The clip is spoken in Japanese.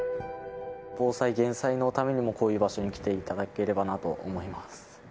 防災・減災のためにも、こういう場所に来ていただければなと思います。